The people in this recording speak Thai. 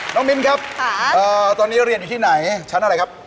มิ้นครับตอนนี้เรียนอยู่ที่ไหนชั้นอะไรครับ